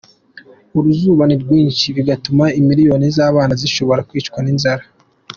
"Uruzuba ni rwinshi bigatuma imiliyoni z'abana bashobora kwicwa n'inzara.